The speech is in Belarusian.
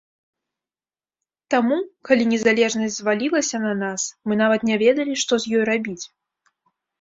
Таму, калі незалежнасць звалілася на нас, мы нават не ведалі, што з ёй рабіць.